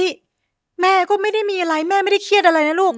แม่ก็ไม่ได้มีอะไรแม่ไม่ได้เครียดอะไรนะลูก